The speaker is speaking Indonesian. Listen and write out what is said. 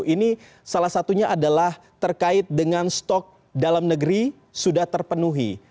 ini salah satunya adalah terkait dengan stok dalam negeri sudah terpenuhi